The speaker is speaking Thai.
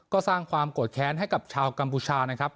ก็สร้างความโกรธแค้นให้กับชาวกัมพูชานะครับ